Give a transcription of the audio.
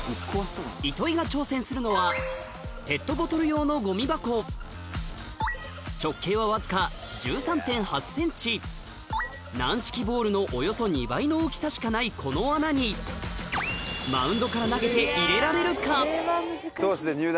糸井が挑戦するのは直径はわずか軟式ボールのおよそ２倍の大きさしかないこの穴にマウンドから投げて入れられるか？